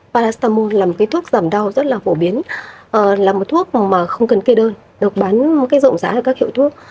paracetamol là một thuốc giảm đau rất phổ biến là một thuốc mà không cần kê đơn được bán rộng rãi ở các kiểu thuốc